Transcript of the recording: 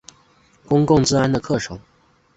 公共治安的课程。